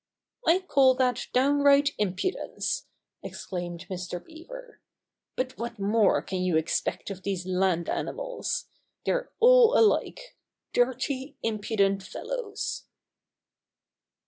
"I call that downright impudence I" ex claimed Mr. Beaver. "But what more can you expect of these land animals 1 They're all alike — dirty, impudent fellows."